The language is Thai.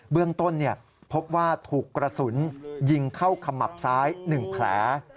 เบื้องต้นพบว่าถูกกระสุนยิงเข้าขมับซ้าย๑แผล